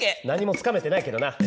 何もつかめてないけどな。